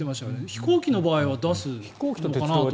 飛行機の場合は出すのかなと。